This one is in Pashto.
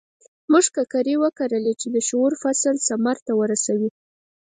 موږ ککرې وکرلې چې د شعور فصل ثمر ته ورسوي.